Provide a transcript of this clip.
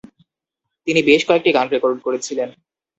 তিনি বেশ কয়েকটি গান রেকর্ড করেছিলেন।